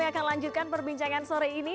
iya kami akan lanjutkan perbincangan sore ini